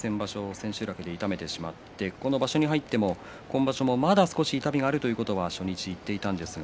千秋楽に痛めてしまってこの場所に入っても今場所もまだ痛みがあるということは初日に言っていました。